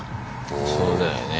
そうだよね。